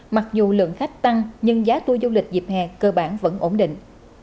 mặc dù lượng khách tăng nhưng giá tour du lịch dịp hè cơ bản vẫn ổn định